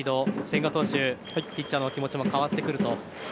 千賀投手、ピッチャーの気持ちも変わってくると。